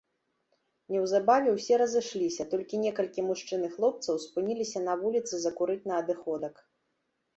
Неўзабаве ўсе разышліся, толькі некалькі мужчын і хлопцаў спыніліся на вуліцы закурыць на адыходак.